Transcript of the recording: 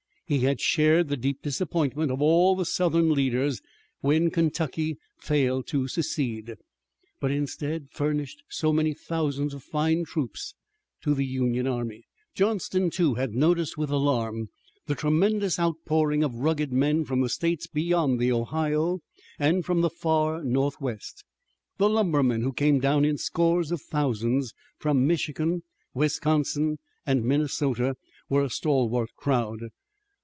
He had shared the deep disappointment of all the Southern leaders when Kentucky failed to secede, but instead furnished so many thousands of fine troops to the Union army. Johnston, too, had noticed with alarm the tremendous outpouring of rugged men from the states beyond the Ohio and from the far northwest. The lumbermen who came down in scores of thousands from Michigan, Wisconsin and Minnesota, were a stalwart crowd.